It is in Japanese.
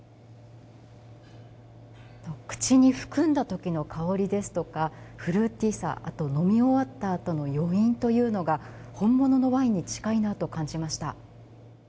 口に含んだときの香りですとかフルーティーさ、あと飲み終わったあとの余韻というのが本物のワインに近いなと感じました。